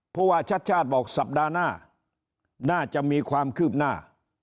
ผู้ว่าชัดชาติบอกสัปดาห์หน้าน่าจะมีความคืบหน้า